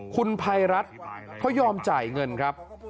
คุณภัยรัฐเขายอมจ่ายเงินครับ